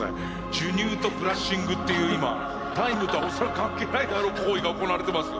授乳とブラッシングっていう今タイムとは恐らく関係ないであろう行為が行われています。